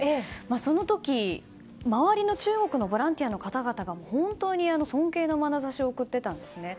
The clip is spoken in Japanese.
その時、周りの中国のボランティアの方々が本当に尊敬のまなざしを送っていたんですね。